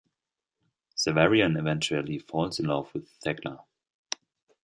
Severian eventually falls in love with Thecla.